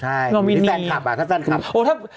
ใช่อยู่ที่แฟนคลับก่อนเนี่ย